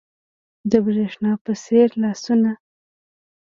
د برېښنا په څیر لاسونه